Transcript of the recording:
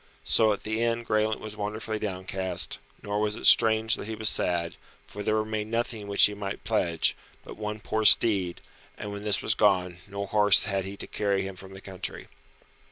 So at the end Graelent was wonderfully downcast, nor was it strange that he was sad, for there remained nothing which he might pledge, but one poor steed, and when this was gone, no horse had he to carry him from the country.